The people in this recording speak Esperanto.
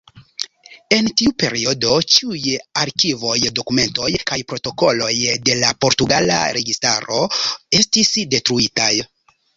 En tiu periodo, ĉiuj arkivoj, dokumentoj kaj protokoloj de la portugala registaro estis detruitaj.